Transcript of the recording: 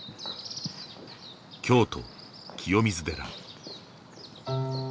京都、清水寺。